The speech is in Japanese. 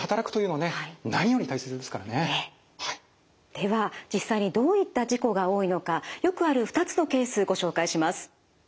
では実際にどういった事故が多いのかよくある２つのケースご紹介します。